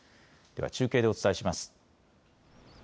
では中継でお伝えします。